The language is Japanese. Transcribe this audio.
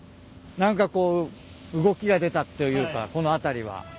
何かこう動きが出たというかこの辺りは。